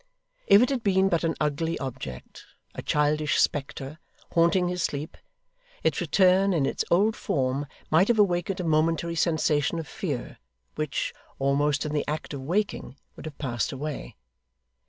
If it had been but an ugly object, a childish spectre, haunting his sleep, its return, in its old form, might have awakened a momentary sensation of fear, which, almost in the act of waking, would have passed away.